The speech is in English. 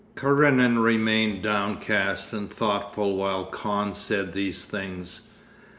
Karenin remained downcast and thoughtful while Kahn said these things.